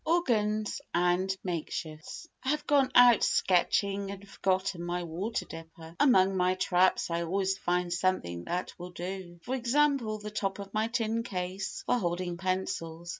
Organs and Makeshifts I have gone out sketching and forgotten my water dipper; among my traps I always find something that will do, for example, the top of my tin case (for holding pencils).